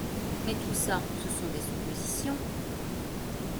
Mais tout ça, ce sont des suppositions